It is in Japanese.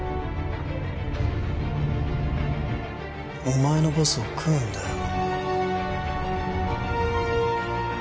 お前のボスを喰うんだよ